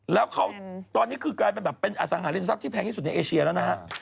แล้วเขาตอนนี้คือกลายเป็นแบบเป็นอสังหาริมทรัพย์ที่แพงที่สุดในเอเชียแล้วนะฮะ